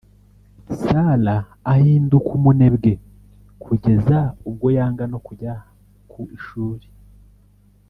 Sarah ahinduka umunebwe kugeza ubwo yanga no kujya ku Ishuri